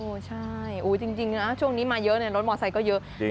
โอ้ใช่จริงนะช่วงนี้มาเยอะรถมอเซย์ก็เยอะ